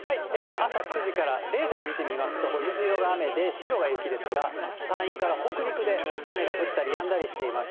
朝９時からレーダー見てみますと、これ、水色が雨で白が雪ですが、山陰から北陸で雨が降ったりやんだりしています。